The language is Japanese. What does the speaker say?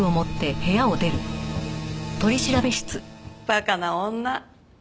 バカな女。